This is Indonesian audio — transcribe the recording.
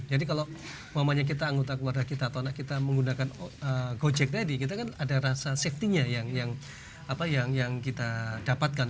jadi kalau mamanya kita anggota keluarga kita atau anak kita menggunakan gojek tadi kita kan ada rasa safety nya yang kita dapatkan